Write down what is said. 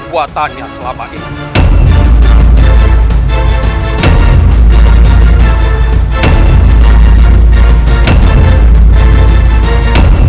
bagaimana dengan budi istri kami